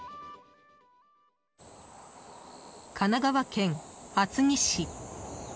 神奈川県厚木市。